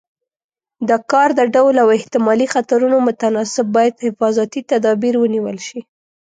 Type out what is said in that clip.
د کار د ډول او احتمالي خطرونو متناسب باید حفاظتي تدابیر ونیول شي.